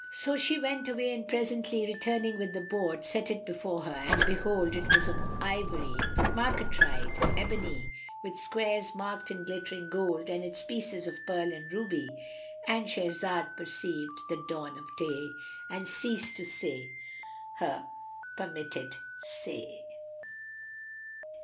So she went away and presently returning with the board, set it before her, and behold, it was of ivory marquetried ebony with squares marked in glittering gold, and its pieces of pearl and ruby.—And Shahrazad perceived the dawn of day and ceased to say her permitted say.